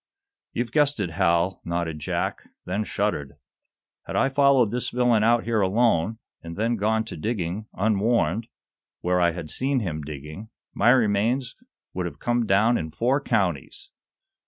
"You've guessed it, Hal," nodded Jack, then shuddered. "Had I followed this villain out here alone, and then gone to digging, unwarned, where I had seen him digging, my remains would have come down in four counties.